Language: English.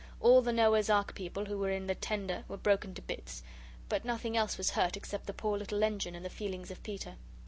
All the Noah's Ark people who were in the tender were broken to bits, but nothing else was hurt except the poor little engine and the feelings of Peter.